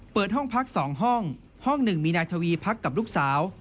เปิดห้องพัก๒ห้องห้องหนึ่งมีนายทวีพักกับลูกสาว